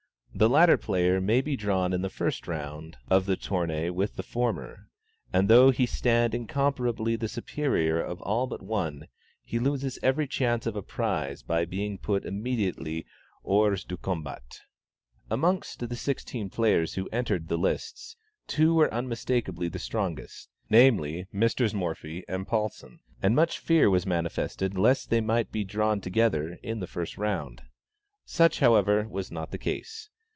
The latter player may be drawn in the first round of the tournay with the former, and though he stand incomparably the superior of all but one, he loses every chance of a prize by being put immediately hors du combat. Amongst the sixteen players who entered the lists, two were unmistakably the strongest, namely, Messrs. Morphy and Paulsen; and much fear was manifested lest they might be drawn together, in the first round. Such, however, was not the case.